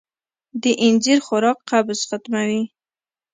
د اینځر خوراک قبض ختموي.